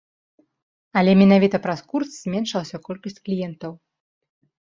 Але менавіта праз курс зменшылася колькасць кліентаў.